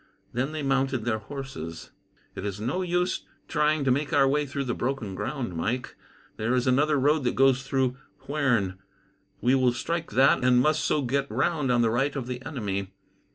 Then they mounted their horses. "It is no use trying to make our way through the broken ground, Mike. There is another road that goes through Huerne. We will strike that, and must so get round on the right of the enemy.